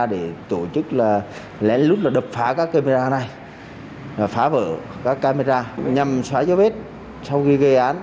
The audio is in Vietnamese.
để tổ chức là lẽ lúc là đập phá các camera này phá vỡ các camera nhằm xoáy cho bết sau khi gây án